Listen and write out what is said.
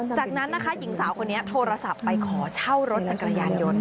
จากนั้นนะคะหญิงสาวคนนี้โทรศัพท์ไปขอเช่ารถจักรยานยนต์